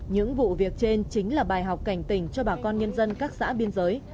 những vụ việc trên chính là bài học cảnh tỉnh cho bà con nhân dân các xã biên giới